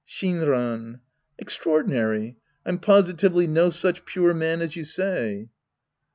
Shinran. Extraordinaiy ! I'm positively no such pure man as you say.